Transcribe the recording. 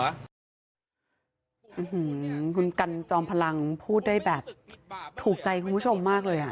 คุณกันจอมพลังพูดได้แบบถูกใจคุณผู้ชมมากเลยอ่ะ